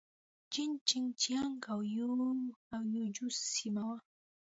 جين چنګ جيانګ او يي جو سيمه وه.